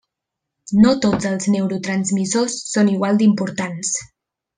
No tots els neurotransmissors són igual d’importants.